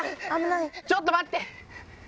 ちょっと待って！